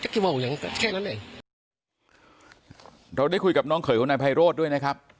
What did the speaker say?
กี่โมงยังแค่นั้นแหละเราได้คุยกับน้องเขยของนายไพโรธด้วยนะครับ